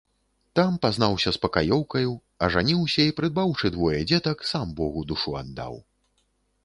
Там пазнаўся з пакаёўкаю, ажаніўся і, прыдбаўшы двое дзетак, сам богу душу аддаў.